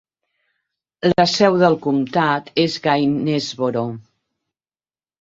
La seu del comtat és Gainesboro.